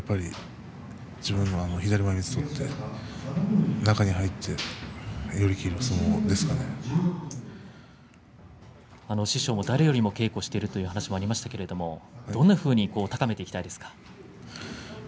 自分も左前みつを取って中に入って師匠も誰よりも稽古をしているという話もありましたけれどどんなふうに高めていきたいですか？